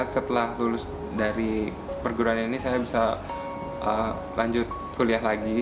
setelah lulus dari perguruan ini saya bisa lanjut kuliah lagi